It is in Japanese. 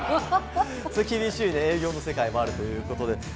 厳しい営業の世界もあるということで。